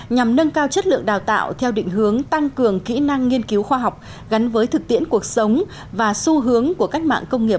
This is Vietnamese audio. nhằm nâng cao chất lượng đào tạo theo định hướng tăng cường kỹ năng nghiên cứu khoa học gắn với thực tiễn cuộc sống và xu hướng của cách mạng công nghiệp bốn